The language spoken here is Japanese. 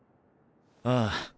ああ。